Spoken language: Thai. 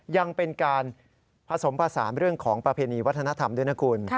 ยังเป็นการผสมผสานเรื่องของประเพณีวัฒนธรรมด้วยนะคุณ